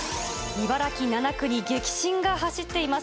茨城７区に激震が走っています。